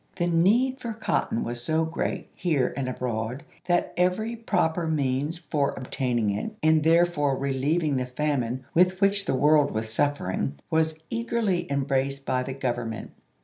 The need for cotton was so great, here and abroad, that every proper means for obtaining it, and therefore reliev ing the famine with which the world was suffering, was eagerly embraced by the Government.